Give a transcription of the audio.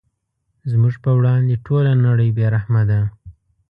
زموږ په وړاندې ټوله نړۍ بې رحمه ده.